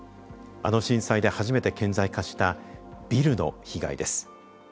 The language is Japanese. あの震災で初めて顕在化した「ビルの被害」です。